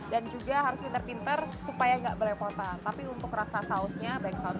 dan juga harus pinter pinter supaya enggak berlepotan tapi untuk rasa sausnya baik saus